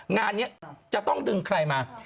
งานนี้จะต้องดึงใครมา